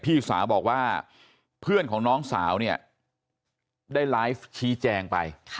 พี่สาวบอกว่าเพื่อนของน้องสาวเนี่ยได้ไลฟ์ชี้แจงไป